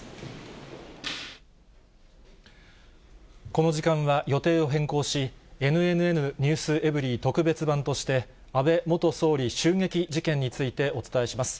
この時間は予定を変更し、ＮＮＮｎｅｗｓｅｖｅｒｙ．特別版として、安倍元総理襲撃事件についてお伝えします。